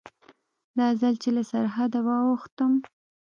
دا ځل چې له سرحده واوښتم.